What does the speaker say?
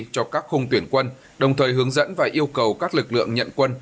cho các khung tuyển quân đồng thời hướng dẫn và yêu cầu các lực lượng nhận quân